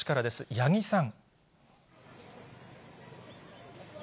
八木さん。